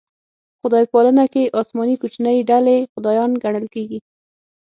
خدای پالنه کې اسماني کوچنۍ ډلې خدایان ګڼل کېږي.